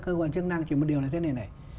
cơ quan chức năng chỉ một điều là thế này này